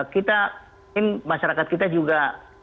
kita ingin masyarakat kita juga